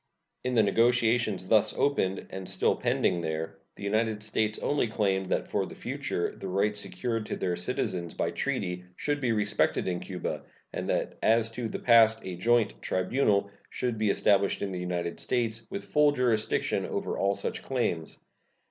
In the negotiations thus opened, and still pending there, the United States only claimed that for the future the rights secured to their citizens by treaty should be respected in Cuba, and that as to the past a joint tribunal should be established in the United States with full jurisdiction over all such claims.